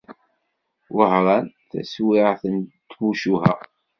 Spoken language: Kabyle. Wehran, taswiɛt n tmucuha.